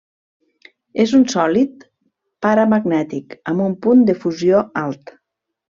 És un sòlid paramagnètic amb un punt de fusió alt.